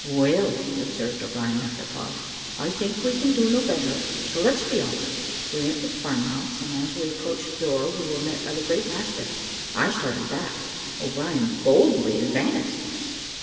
"Well," observed O'Brien, after a pause, "I think we can do no better, so let's be off." We went to the farm house, and, as we approached the door, were met by the great mastiff. I started back, O'Brien boldly advanced.